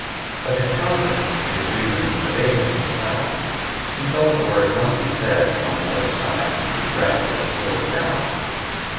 But his conscience and his reason forbade him to be silent; he felt a word must be said on the other side to redress the distorted balance.